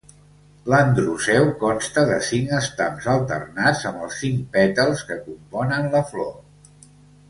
L'androceu consta de cinc estams alternats amb els cinc pètals que componen la flor.